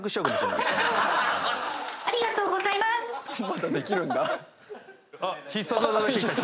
「ありがとうございます」出た！